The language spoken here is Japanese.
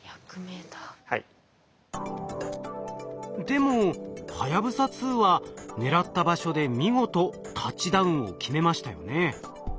でもはやぶさ２は狙った場所で見事タッチダウンを決めましたよね。